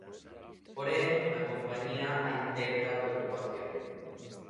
Porén, na compañía hai certa preocupación.